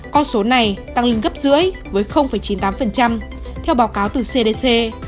con số này tăng lên gấp rưỡi với chín mươi tám theo báo cáo từ cdc